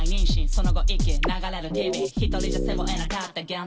その後遺棄流れるＴＶ」